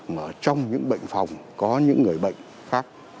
mà trong những bệnh phòng có những người bệnh khác